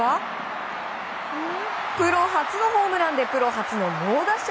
プロ初のホームランでプロ初の猛打賞！